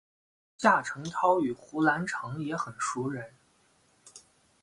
夏承焘与胡兰成也很熟稔。